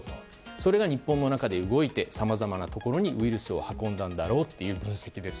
それが日本の中で動いてさまざまなところにウイルスを運んだんだろうという分析です。